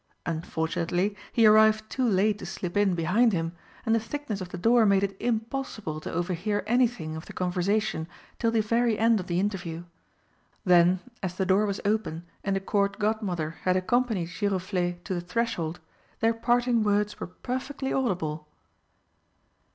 Unfortunately he arrived too late to slip in behind him, and the thickness of the door made it impossible to overhear anything of the conversation till the very end of the interview. Then, as the door was open and the Court Godmother had accompanied Giroflé to the threshold, their parting words were perfectly audible.